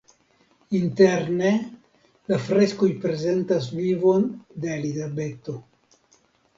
Interne la freskoj prezentas vivon de Elizabeto.